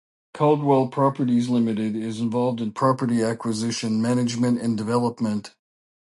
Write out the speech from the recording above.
Caudwell Properties Limited is involved in property acquisition, management and development.